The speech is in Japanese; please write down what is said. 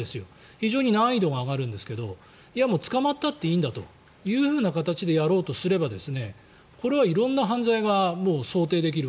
非常に難易度が上がるんですけどもう捕まったっていいんだという形でやろうとすればこれは色んな犯罪が想定できる。